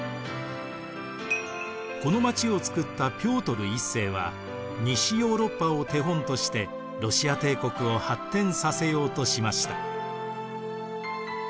この街をつくったピョートル１世は西ヨーロッパを手本としてロシア帝国を発展させようとしました。